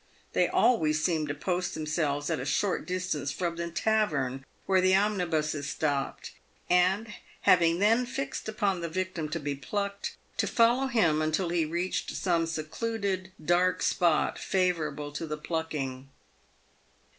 They always seemed to post themselves at a short distance from the tavern where the omnibuses stopped, and, having then fixed upon the victim to be plucked, to follow him until he reached some secluded, dark spot favourable to the plucking.